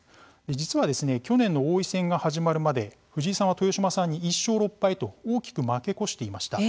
実は、去年の王位戦が始まるまで藤井さんは豊島さんに１勝６敗と大きく負け越していました。